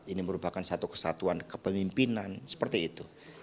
ini merupakan satu kesatuan kepemimpinan seperti itu